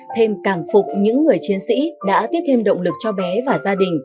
thêm càng phục những người chiến sĩ đã tiếp thêm động lực cho bé và gia đình